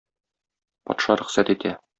Патша рөхсәт итә.